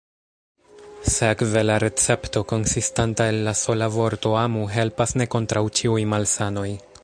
Sekve la recepto, konsistanta el la sola vorto «amu», helpas ne kontraŭ ĉiuj malsanoj.